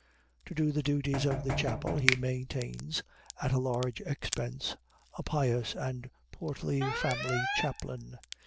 To do the duties of the chapel he maintains, at a large expense, a pious and portly family chaplain.